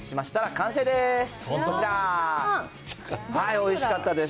おいしかったです。